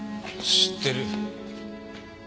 知ってる。